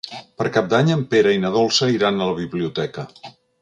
Per Cap d'Any en Pere i na Dolça iran a la biblioteca.